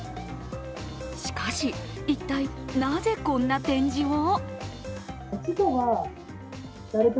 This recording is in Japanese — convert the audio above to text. しかし、一体、なぜこんな展示を？